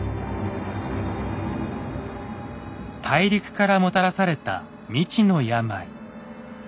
大陸からもたらされた未知の病。